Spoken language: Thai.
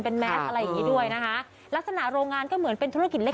เป็นแมสอะไรอย่างงี้ด้วยนะคะลักษณะโรงงานก็เหมือนเป็นธุรกิจเล็ก